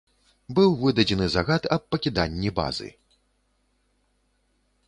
Быў выдадзены загад аб пакіданні базы.